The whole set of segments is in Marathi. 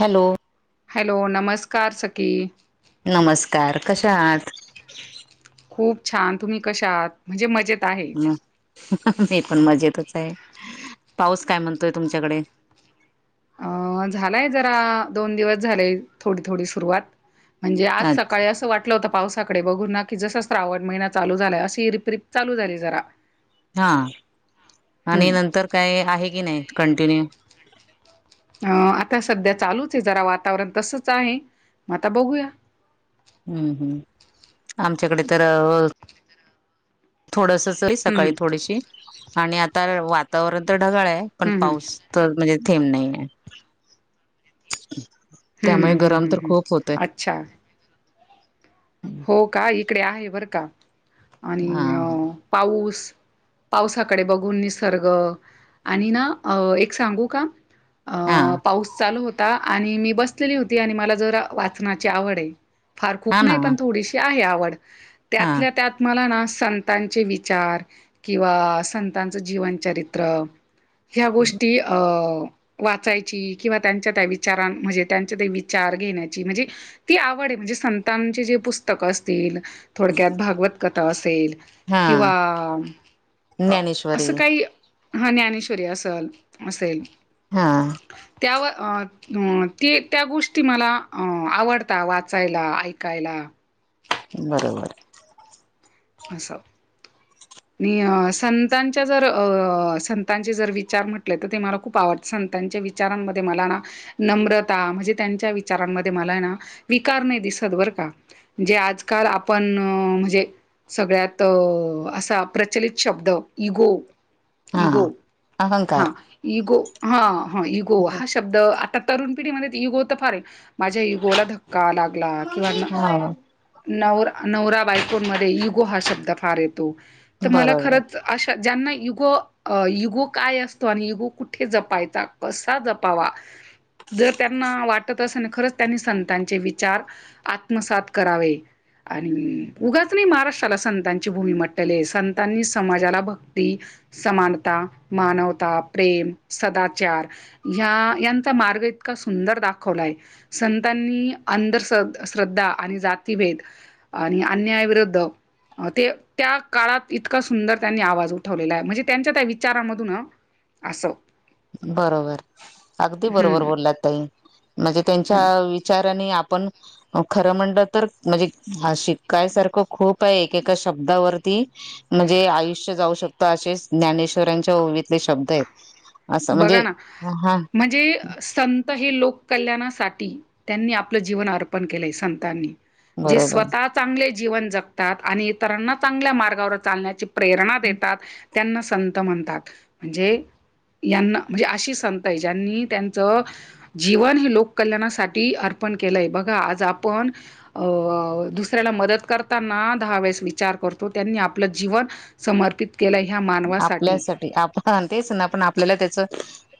हॅलो. हॅलो नमस्कार सखी नमस्कार कशा आहात. खूप छान तुम्ही कशया आहात म्हणजे मजेत आहे. मी पण मजेतच आहे पाऊस काय म्हणतोय तुमच्याकडे. अं झालाय जरा दोन दिवस झालेय थोडी थोडी सुरुवात. म्हणजे आज अच्छा सकाळी असं वाटलं होत. पावसाकडे बघुन की जसा श्रावण महिना चालू झालाय अशी रिप रिप चालू झाली जरा. हा आणि हम्म नंतर काय आहे की नाही कंटिन्यू. अं आता सध्या चालूच आहे जरा वातावरण तसच आहे मग आता बघूया. हम्म हम् आमच्याकडे तर थोडस- सकाळी हम्म थोडीशी आणि आता वातावरण तर ढगाळ आहे पण हम्म हम्म पाऊस तर म्हणजे- थेम नाही आहे. हम्म त्यामुळे हम्म गरम हम्म तर हम्म खूप होतय. अच्छा हो का इकडे आहे बरं का हा आणि पाऊस- पावसाकडे बघून निसर्ग आणि ना एक सांगू का- अ हा पाऊस चालू होता आणि मी बसलेली होती आणि मला जर वाचनाची आवड - फार हा खूप ना नाही- तसे आहे आवड हा त्यातल्या त्यात मला ना अस- संतांचे विचार किंवा संतांचं जीवनचरित्र- ह्या गोष्टी अ- वाचायची किंवा त्यांच्या त्या विचारां म्हणजे त्यांच्या त्या विचार घेण्याची म्हणजे ती आवड- म्हणजे संतांचे जे पुस्तकं असतील थोडक्यात भागवत कथा असेल. हा किंवा ज्ञानेश्वरी असं काही- हा ज्ञानेश्वरी असल असेल. हा. त्यावर अ ते त्या गोष्टी मला आवडता वाचायला ऐकायला. बरोबर. अस- आणि संतांच्या जर अ संतांचे जर विचार म्हटले तर ते मला खूप आवड. संतांच्या विचारांमध्ये मला ना नम्रता म्हणजे त्यांच्या विचारांमध्ये मला ना विकार- नहीं दिसत बर का जे आजकाल आपण म्हणजे- सगळ्यात असा प्रचलित शब्द इगो- हा इगो अहंकार हा इगो हा हा इगो हा शब्द आत- तरुण पिढीमध्ये इगो तर फार आहे माझ्या इगोला धक्का लागला. किंवा हा. नवरा नवरा बायकोन मध्ये इगो हा शब्द फार येतो तर मला बरोबर खरंच अशा. ज्यांना युगो अ युगो काय असतो आणि युगो कुठे जपायचा कसा जपावा- जर त्यांना वाटत असे ना खरंच त्यांनी संतांचे विचार आत्मसात करावे. आणि उगाच नाही महाराष्ट्र. त्याला संतांची भूमी म्हंटले संतांनी समाजाला भक्ती समानता मानवता- प्रेम सदाचार ह्या याचा मार्ग इतका सुंदर दाखवलाय- संतांनी अंधर श्रद्धा आणि जातीभेद आणि अन्यायाविरुद्ध- अ ते त्या काळात इतका सुंदर त्यांनी आवाज उठवलेलाय म्हणजे त्यांच्या त्या विचारामधून. अस- बरोबर अगदी बरोबर हम्म बोललात तई. म्हणजे त्यांच्या हम्म विचारानी आपण- खरं म्हणलं तर म्हणजे ह शिकायसारखं खूप आहे एकेका शब्दावरती- म्हणजे आयुष्य जाऊ शकत असेच ज्ञानेश्वरांच्या ओवीतले शब्द आहेत. असं म्हणजे बघा ना हा म्हणजे संत हे लोककल्याणासा- त्यांनी आपलं जीवन अर्पण केलं संतांनी जे बरोबर स्वतः चांगले - जीवन जगतात आणि इतरांना चांगल्या मार्गावर चालण्याची प्रेरणा देतात- त्यांना संत म्हणतात म्हणजे- यांना म्हणजे अशी संत आहे ज्यांनी त्यांचं जीवन हे लोक कल्याणासाठी अर्पण केलंय बघा आज आपण अ दुसऱ्याला मदत करताना दहा वेळेस विचार कर तो. त्यांनी आपलं जीवन समर्पित केलं ह्या मानवासाठी आपल्यासाठी आपण तेच ना आप आपल्याला त्याचं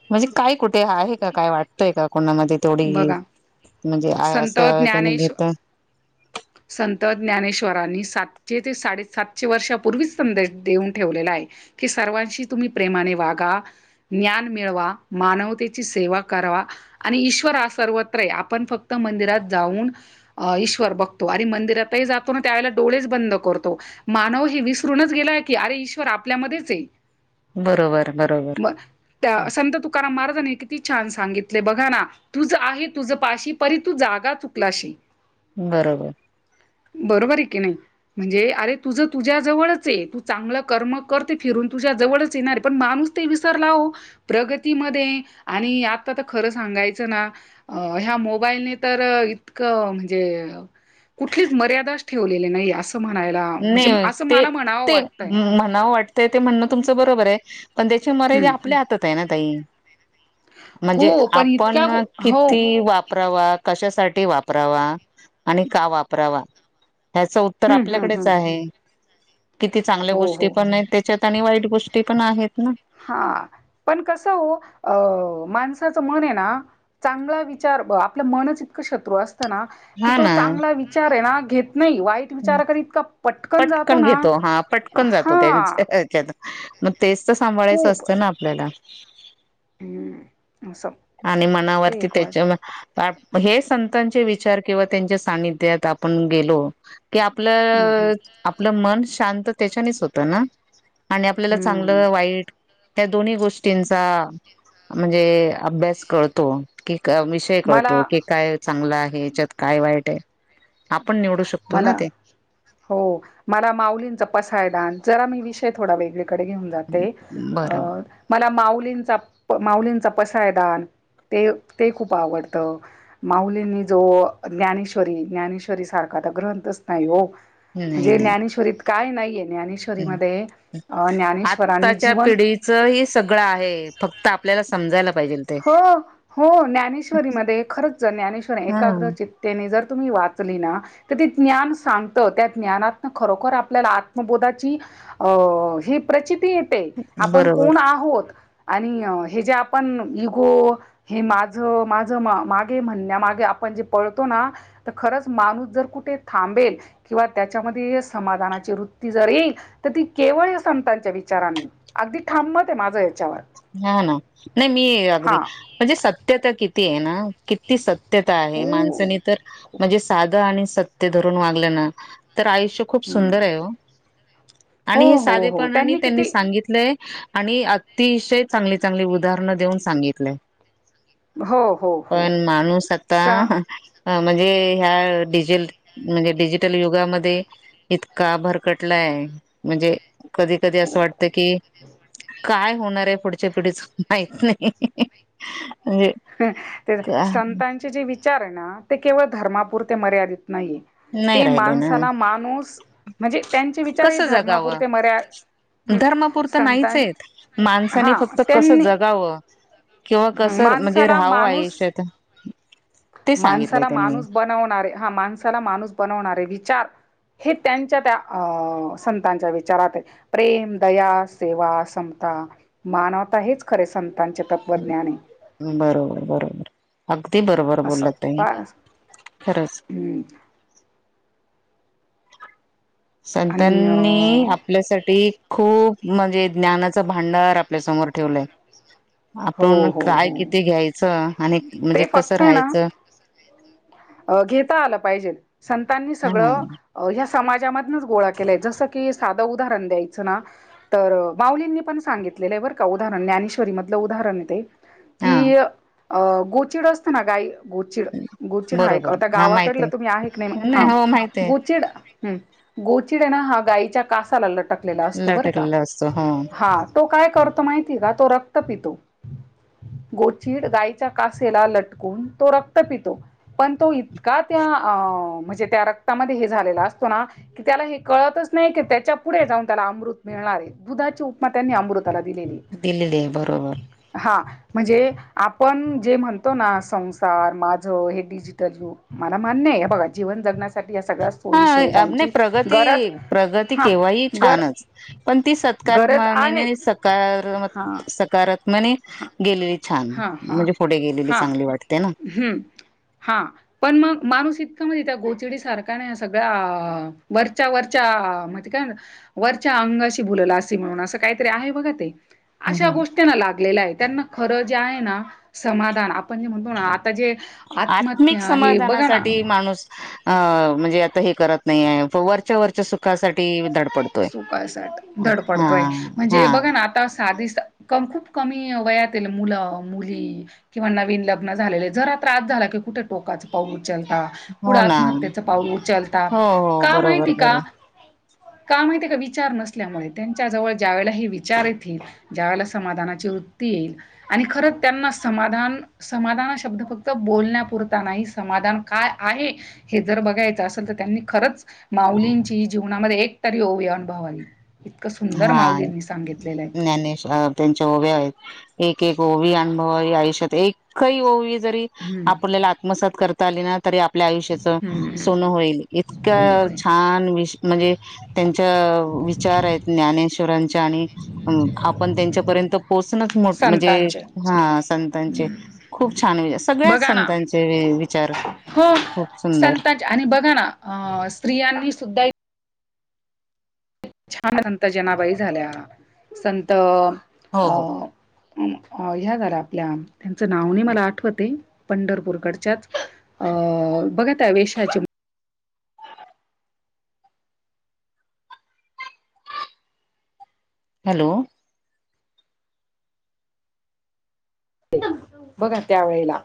म्हणजे काय कुठे आहे का काय वाटतंय का. कोणामध्ये तेथोडी बघा म्हणजे आहे संत असं त्यांनी ज्ञानेश्वर घेत. संत ज्ञानेश्व रांनी सात सातश वर्षांपूर्वीच संदेश देऊन ठवलेला आहे. कि सर्वांशी तुम प्रेमाने वागा ज्ञान मिळवा मानवतेची सेवा करा आणि इश करा सर्वत्र आहे आपण फक्त मंदिरात जाऊन ईश्वर बघतो आणि मंदिरातही जातो ना त्यावेळेला डोळेच बंद करतो, मानव हे विसरूनच गेलाय की अरे ईश्वर आपल्यामध्येच हे. बरोबर बरोबर म त्या संत तुकारा महाराजानी किती छान सांगितले बघा ना, तुझ आहे तुझ पाशी परी तू जागा चुकलाशी. बरोबर. बरोबर आहे की नाही म्हणजे अरे तुझ तुझ्याजवळच आहे तू चांगलं कर्म करते फिरून तुझ्या जवळच येणार आहे, पण माणूस ते विसरला ओ. प्रगतीमध्ये आणि आता तर खरं सांगायचं ना ह्या मोबाईलने तर इतकं म्हणजे कुठलीच मर्यादाच ठेवलेली नाही असं म्हणायला म्हणजे नाही असं ते मला म्हणावं ते वाटतंय. म्हणा वाटतय ते म्हणणं तुमचं बरोबर आहे. पण त्याची मर्यादा हम्म. आपल्या हातात आहे ना ताई. म्हणजे हो पण इतक्या आपण गो- हो किती वापरावा कशासाठी वापरावा आणि का वापरावा ह्याच उत्तर हम्म हम्म आपल्याकडेच हम्म आहे. किती चांगल्या हो गोष्टी हो पण नाही त्याच्यात आणि वाईट गोष्टी पण आहेत ना. हा पण कस ओ माण साच मन आहे ना चांगला विचार आपलं मनच इतक शत्रू अस तर ना की हा तो ना चांगला विचार आहे ना घेत नाही वाईट विचाराक इतका पटकन जातो ना घेतो हा पटकन जातो हा. त्यांच्यात मग तेच तर सांभाळायचं खूप तेच असतं ना आपल्याला. हम्म. असं आणि ते मनावरती एक वाट त्याच्या हे संतांचे विचार किंवा त्यांच्या सानध्यात आपण गेलो कि हम्म की आपलं आपलं मन शांत तेच्यानेच होत ना. आणि आपल्याला हम्म चांगलं वाईट ह्या दोन्ही गोष्टींचा म्हणजे अभ्यास कळतो. की विषय आपलं कळतो की आणि काय चांगला आहे, याच्यात काय वाईट आहे. आपण निवडू शकतो ना मला ते हो मला माऊलींचा पसाय दान जरा मी विषय थोडा वेगळीकडे घेऊन जाते बरोबर मला माऊ. लींचा माउलींचा पसायदान ते ते खूप आवडतं. माउलींनी जो ज्ञानेश्वरी ज्ञाने- श्वसारखा ग्रंथच नाही हो नाही म्हणजे नाही ज्ञानेश्वरत काय नाहीये ज्ञानेश्वरी मध्ये आत्ताच्या पिढीच ह सगळं आहे फक्त आपल्याला समजायला पाहिजे ते हो हो ज्ञानेश्वरी मध्ये खरंच जर ज्ञानेश्वरी हा एकाग्र चित्तेने जर तुम्ही वाचली ना तर ते ज्ञान सांगत त्या ज्ञानातन खरोखर आपल्याला आत्मबोधाची अ ही प्रचि ती येते बरोबर आपण आहोत आणि हे जे आपण ग हे माझ माझ मागे म्हण मागे आपण जे पळतो ना तर खरंच माणूस जर कुठे थांबेल किंवा त्याच्यामध्ये समाधाची वृत्ती जर येईल, तर ती केवळ संतांच्या विचारांनी अगदी ठांमत आहे माझं याच्यावर. हा ना नाही मी अगदी हा म्हणजे सत्यता किती आहे ना किती स त्यता आहे खूप माणसनी तर म्हणजे साध आणि सत्य धरून वागल्या ना. तर आयुष्य खूप हम्म. सुंदर आहे ओ, हो आणि हे हो हो साधेपणाने त्यांनी किती सांगितलंय. आणि अतिशय चांगली चांगली उदाहरण देऊन सांगितलय. हो हो हो पण माणूस आता स ह म्हणजे ह्या डिजेल म्हणजे डिजिटल युगामध्ये इतका भरकटलाय म्हणजे कधी कधी असं खूप वाटत खूप की काय होणाराय पुढच्या पिढीच माहीत नाही. म्हणजे का- संतांचे जे विचार आहे ना ते केवळ धर्मापुरते मर्यादित नाहीेए नाही ते राहिले ना माणसाला माणूस म्हणजे त्यांचे विचारही हे धर्मापुरते मर्या धर्मपुरत नाहीच संतां आहेत माणसांनी हा फक्त कसं त्यांनी जगावं किंवा कसं म्हणजे माणसाला राहावं माणूस आयुष्यात ते सांगितलंय माणसाला त्यांनी माणूस बनवणारे, हा माणसाला माणूस बनवणारे विचार हे त्यांच्या त्या संतांच्या विचारातये प्रेम, दया, सेवा, समता मानवता हेच खरे संतांचे तत्त्वज्ञानये. बरोबर बरोबर अगदी बरोबर बोल्लात ताई, बस खरंच. हम्म आणि संतांनी अ आपल्यासाठी खूप म्हणजे ज्ञानाच भांडार आपल्यासमोर ठेवलंय. हो आपण हो काय हो किती घ्यायचं आणि म्हणजे ते कसं फक्त आहे ना राहायचं अ घेता आलं पाहिजे संतांनी ह सगळं या समाजामधनंच गोळा केलंय जसं की सा धं उदाहरण द्यायच ना तर माउलींनी पण सांगितलेलं आहे बरं का उदाहरण ज्ञानेश्वरी म धल उदाहरण ते, हा की गोचीड असत ना गाई मत गोचिड. गोचिड हा एक बरोबर आता हा माहित गावाकडलं तुम्ही आहे का नाही म हा हो माहित आहे गोचिड हम् गोचिड आहे ना हा गाईच्या कासाला लटकलेला असतो बरं का! लटकलेला असतो हो हा तो काय करतो माहिती का तो रक्त पितो. गोचीड गायच्या कासेला लटकून तो रक्त पितो, पण तो इतका त्या अ म्हणजे त्या रक्तामध्ये हे झालेला असतो ना की त्याला हे कळतच नाही की त्याच्या पुढे जाऊन त्याला अमृत मिळणार आहे, दुधाची उपमा त्यांनी अमृत ला दिलेली आहे, दिलेली आहे बरोबर हा म्हणजे आपण जे म्हणतो ना संसार, माझं हे डिजिटल युग मला मान्य आहे बघा जीवन जगण्या हा नाही गरज प्रगत- प्रगती हां केव्हाही गर छानंच पण ती स गरज कर्माने नी आहेच सकारम सकारात्मने गेले हा-हा-हा-हम. ना हा पण मग माणूस इ तका म्हणजे त्या गोचिडी सारखा ना सगळ्या वरच्या वरच्या म काय वरच्या अंगाशी भुललासी, म्हणून असं काहीतरी आहे बघा ते हम् अशा हम गोष्टींना लागलेलं आहे त्यांना खरंच जे आहे ना समाधान आपण जे म्हणतो ना आता जे आत्मिक आत्महत्या हे बघा ना समाधानासाठी माणूस अ म्हणजे आता हे करत नाही आहे वरच्या वरच्या सु सुकासाठी हा धडपडतोय हा म्हणजे बघा ना आता साधी खुप कमी वयातील मुलं मुली किंवा नवीन लग्न झालेले जरा त्रास झा ला की कुठं टोकाचं पाऊल उचलता, पुढं हो ना आत्महत्येच पाऊल उचलता, हो हो का बरोबर माहिती बरोबर का? का माहिती आहे का? विचार नसल्यामुळे त्यांच्या जवळ ज्या वेळेला हे विचार येतील, ज्या वेळेला समाधानाची वृत्ती येईल, आणि खरं त्यांना समाधान, समाधान हा शब्द फक्त बोलण्यापुरता नाहीस समाधान काय आहे हे जर बघायचं असेल तर त्यांनी खरंच माऊलींची जीवनामध्ये एक एक तरी ओवी अनुभवावी. इतकं सुंदर हा माऊलींनी सांगितलेलं आहे ज्ञानेश अ त्यांच्या ओव्या आहेत. एक एक ओवी अनुभवावी आयुष्यात एकही ओवी जरी हम्म आपल्याला आत्मसात करता आली ना तरी आपल्या आयुष्याच हम्म हम्म. सोनं होईल इतक्या खूप आहे छान विष म्हणजे त्यांच्या विचार आहेत. च्यांनी हूं आपण त्यांच्यापर्यंत पोचणचं मो म्हणजे संतांचे हा संतांचे. खूप छान आहे सगळ्याचं बघा ना संतांचे वी विचार. हो खूप सुंदर संताचे आणि बघा ना अ स्त्रियांनी सुद्धा. छान संत जनाबाई झाल्या, संत हो अ हो ह्या झाल्या आपल्या त्यांचं नाव नाही मला आठवत हे पंढरपूर कडच्याच अ अ बघा त्या वेशाचे हॅलो! बघा त्या वेळेला